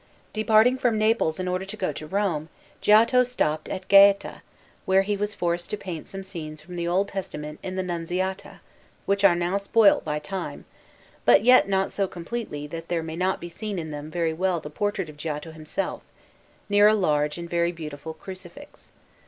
Departing from Naples in order to go to Rome, Giotto stopped at Gaeta, where he was forced to paint some scenes from the Old Testament in the Nunziata, which are now spoilt by time, but yet not so completely that there may not be seen in them very well the portrait of Giotto himself, near a large and very beautiful Crucifix.